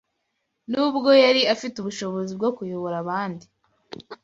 Nubwo yari afite ubushobozi bwo kuyobora abandi